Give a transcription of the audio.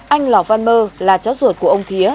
anh lò văn mơ là cháu ruột của ông thía